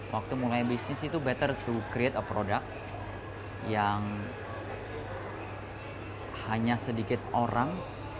waktu mulai bisnis itu better to create a product yang hanya sedikit orang